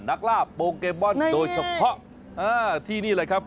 นักล่าพโปเกมอนโดยเฉพาะที่นี่เลยครับนั่นเลย